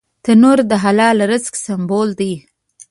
تنور د حلال رزق سمبول دی